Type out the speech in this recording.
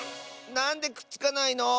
なんでくっつかないの？